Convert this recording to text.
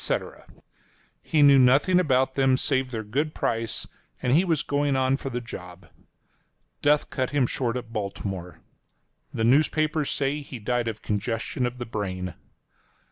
He knew nothing about them save their good price, and he was going on for the job. Death cut him short at Baltimore. The newspapers say he died of congestion of the brain.